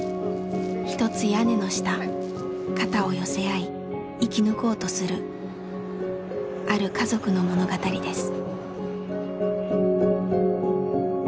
一つ屋根の下肩を寄せ合い生き抜こうとするある家族の物語です。